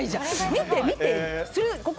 見て、見て！